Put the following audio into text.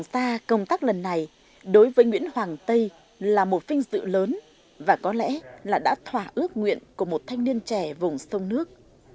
ta công tác lần này đối với nguyễn hoàng tây là một vinh dự lớn và có lẽ là đã thỏa ước nguyện của một thanh niên trẻ vùng sông nước